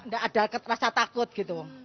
nggak ada rasa takut gitu